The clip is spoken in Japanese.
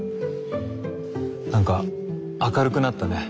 なんか明るくなったね。